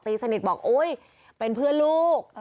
สนิทบอกอุ๊ยเป็นเพื่อนลูก